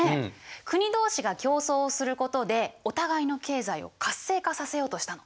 国同士が競争をすることでお互いの経済を活性化させようとしたの。